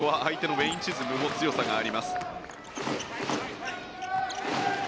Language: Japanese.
ただ、ここは相手のウェイン・チズムも強さがあります。